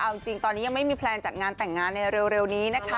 เอาจริงตอนนี้ยังไม่มีแพลนจัดงานแต่งงานในเร็วนี้นะคะ